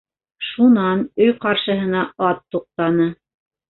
Шунан өй ҡаршыһына ат туҡтаны.